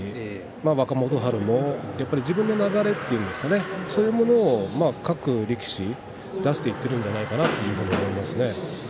若元春も自分の流れといいますかねそういうものを各力士に出していっているのではないかと思います。